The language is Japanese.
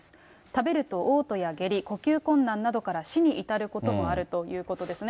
食べるとおう吐や下痢、呼吸困難などから死に至ることもあるということですね。